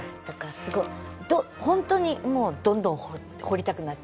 すごいほんとにもうどんどん掘りたくなって。